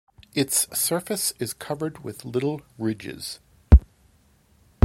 Its surface is covered with little ridges.